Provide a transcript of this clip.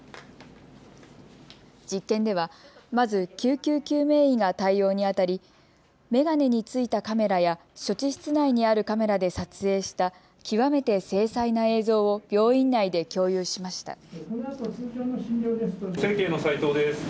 実験ではまず救急救命医が対応に当たりメガネについたカメラや処置室内にあるカメラで撮影した極めて精細な映像を病院内で共有しました。